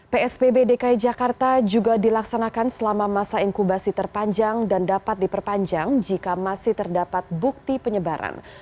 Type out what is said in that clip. psbb dki jakarta juga dilaksanakan selama masa inkubasi terpanjang dan dapat diperpanjang jika masih terdapat bukti penyebaran